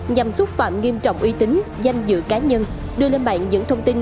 nhằm xúc phạm nghiêm trọng uy tín danh dự cá nhân đưa lên mạng những thông tin